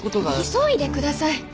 急いでください！